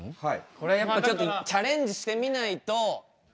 これまあちょっとチャレンジしてみないと。